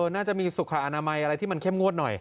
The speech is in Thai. น่าจะมีสุขอนามัยอะไรที่มันเข้มงวดหน่อย